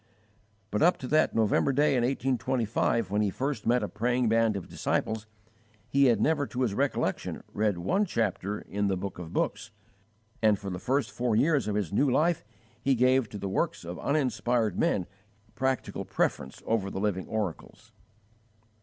But, up to that November day in 1825 when he first met a praying band of disciples, he had never to his recollection read one chapter in the Book of books; and for the first four years of his new life he gave to the works of uninspired men practical preference over the Living Oracles.